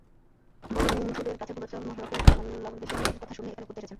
বন্ধুদের কাছে পূর্বাচল মহাসড়কের খোলামেলা পরিবেশের কথা শুনে এখানে ঘুরতে এসেছেন।